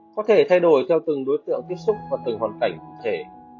có thể thay đổi theo từng đối tượng tiếp xúc và từng hoàn cảnh cụ thể